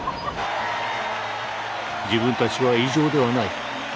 自分たちは異常ではない。